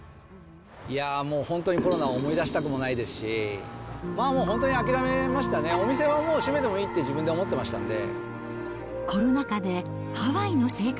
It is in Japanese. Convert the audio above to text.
いやー、もう本当にコロナは思い出したくもないですし、本当に諦めましたね、お店はもう閉めてもいいって自分で思ってましたんで。